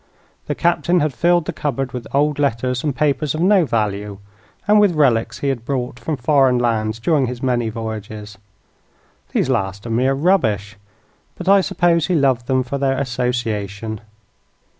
The Captain had filled the cupboard with old letters and papers of no value, and with relics he had brought from foreign lands during his many voyages. These last are mere rubbish, but I suppose he loved them for their association.